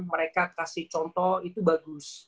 mereka kasih contoh itu bagus